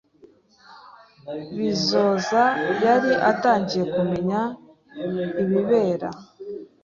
Bizoza yari atangiye kumenya ibibera.